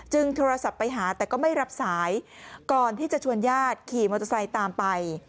โทรศัพท์ไปหาแต่ก็ไม่รับสายก่อนที่จะชวนญาติขี่มอเตอร์ไซค์ตามไป